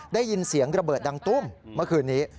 ได้ยินเสียงระเบิดดังตุ้มเมื่อคืนนี้